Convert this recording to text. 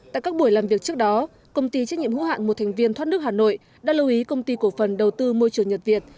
tại các buổi làm việc trước đó công ty trách nhiệm hữu hạn một thành viên thoát nước hà nội đã lưu ý công ty cổ phần đầu tư môi trường nhật việt